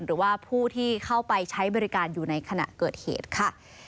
หรือว่าผู้ที่เข้าไปใช้บริการอยู่ในขณะเกิดเหตุค่ะ